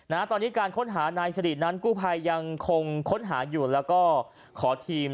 ตอนนี้การค้นหานายสิรินั้นกู้ภัยยังคงค้นหาอยู่แล้วก็ขอทีม